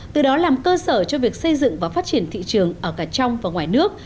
từ đó làm cơ sở cho việc xây dựng và phát triển thị trường ở cả trong và ngoài nước